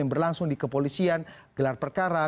yang berlangsung di kepolisian gelar perkara